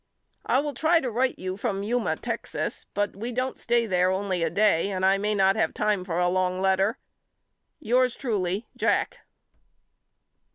I will try to write you from Yuma, Texas, but we don't stay there only a day and I may not have time for a long letter. Yours truly, JACK.